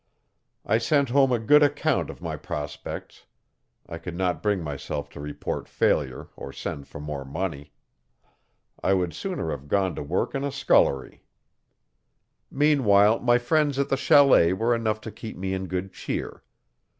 I sent home a good account of my prospects. I could not bring myself to report failure or send for more money. I would sooner have gone to work in a scullery. Meanwhile my friends at the chalet were enough to keep me in good cheer.